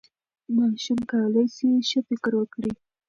ماشوم کولی سي ښه فکر وکړي.